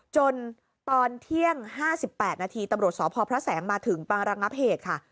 ตอนเที่ยง๕๘นาทีตำรวจสพพระแสงมาถึงปางระงับเหตุค่ะ